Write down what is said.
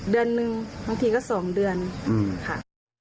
เดือนนึงบางทีก็๒เดือนค่ะ